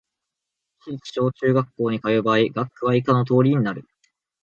市立小・中学校に通う場合、学区は以下の通りとなる